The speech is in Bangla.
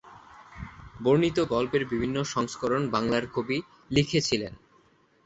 বর্ণিত গল্পের বিভিন্ন সংস্করণ বাংলার কবি লিখেছিলেন।